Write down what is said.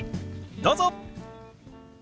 どうぞ！